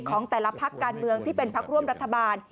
ของแต่ละพักการเมืองที่เป็นพักร่วมรัฐบาล